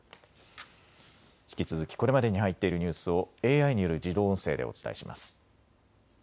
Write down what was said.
引き続きこれまでに入っているニュースをＡＩによる自動音声でお伝えします。